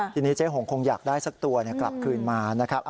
ทีนี้เจ๊หงคงอยากได้สักตัวกลับคืนมานะครับ